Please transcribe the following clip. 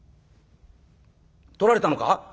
とられたのか？